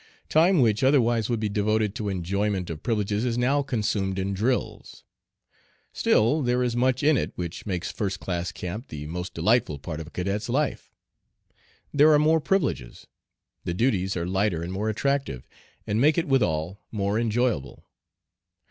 Time which otherwise would be devoted to enjoyment of privileges is now consumed in drills. Still there is much in it which makes first class camp the most delightful part of a cadet's life. There are more privileges, the duties are lighter and more attractive, and make it withal more enjoyable.